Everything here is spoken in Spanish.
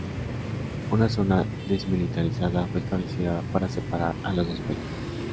Una zona desmilitarizada fue establecida para separar a los dos países.